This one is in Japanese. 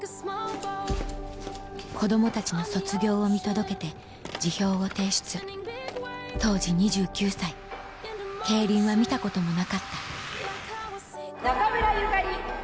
子供たちの卒業を見届けて辞表を提出当時２９歳競輪は見たこともなかった中村由香里。